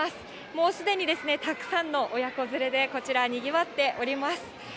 もうすでにたくさんの親子連れでこちら、にぎわっております。